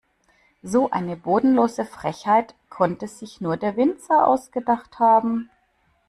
So eine bodenlose Frechheit konnte sich nur der Winzer ausgedacht haben.